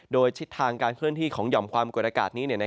โดยทิศทางการเคลื่อนที่ของหย่อมความกดอากาศนี้